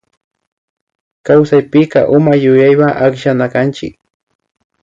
Kawsapika uma yuyaywa akllanakanchik